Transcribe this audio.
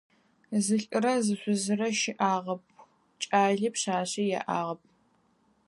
Зы лӏырэ зы шъузырэ щыӏагъэх, кӏали пшъашъи яӏагъэп.